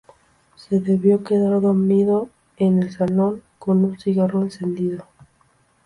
Se debió quedar dormido en el salón con un cigarro encendido.